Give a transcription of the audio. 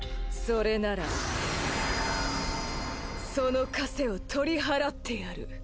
それならそのかせを取り払ってやる。